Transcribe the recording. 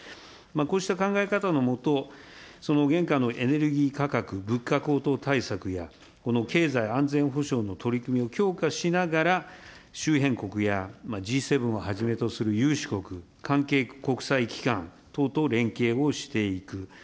こうした考え方の下、現下のエネルギー価格、物価高騰対策や、この経済安全保障の取り組みを強化しながら、周辺国やＧ７をはじめとするゆうし国、関係国際機関等と連携をしていく。